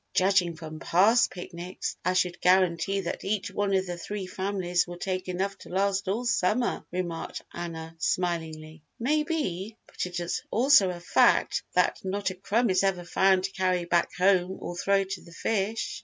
"Judging from past picnics, I should guarantee that each one of the three families will take enough to last all summer," remarked Anna, smilingly. "Maybe, but it also is a fact that not a crumb is ever found to carry back home or throw to the fish!"